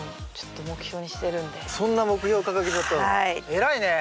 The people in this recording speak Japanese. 偉いね。